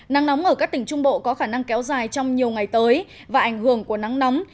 nắng nóng ở các tỉnh trung bộ có khả năng kéo dài trong nhiều ngày tới và ảnh hưởng của nắng nóng